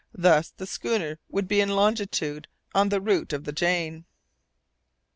Thus the schooner would be in longitude on the route of the Jane.